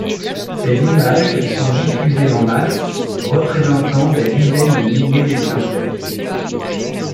Ses images sont diffusées en masse représentant des dizaines de milliers d'exemplaires.